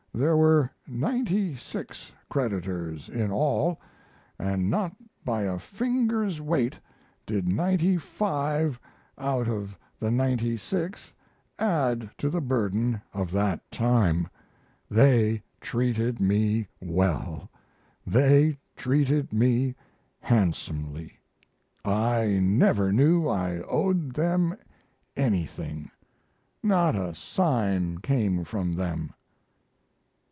There were ninety six creditors in all, & not by a finger's weight did ninety five out of the ninety six add to the burden of that time. They treated me well; they treated me handsomely. I never knew I owed them anything; not a sign came from them.